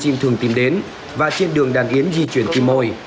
trong đó thì thường tìm đến và trên đường đàn yến di chuyển tìm mồi